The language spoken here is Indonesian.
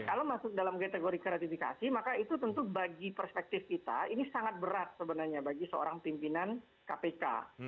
kalau masuk dalam kategori gratifikasi maka itu tentu bagi perspektif kita ini sangat berat sebenarnya bagi seorang pimpinan kpk